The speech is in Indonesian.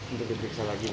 untuk diperiksa lagi